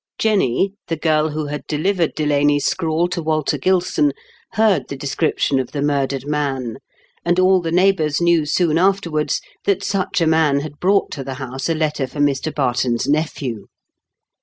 Jenny, the girl who had delivered Delaney's scrawl to Walter Gilson, heard the description of the murdered man, and all the neighbours knew soon afterwards that such a man had brought to the house a letter for Mr. Barton's nephew.